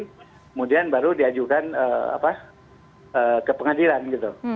kemudian baru diajukan ke pengadilan gitu